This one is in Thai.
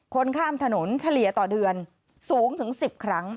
คนข้ามถนนเฉลี่ยต่อเดือนสูงถึง๑๐ครั้ง